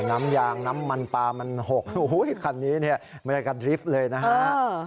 น้ำยางน้ำมันปลามันหกคันนี้เนี่ยบรรยากาศดริฟต์เลยนะฮะ